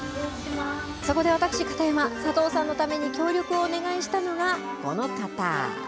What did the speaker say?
そこで、私、片山、佐藤さんのために協力をお願いしたのがこの方。